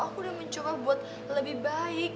aku udah mencoba buat lebih baik